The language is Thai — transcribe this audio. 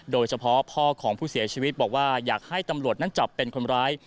โดยเฉพาะพ่อของผู้เสียชีวิตบอกว่าอยากให้ตำรวจนั้นจับเป็นคนร้าย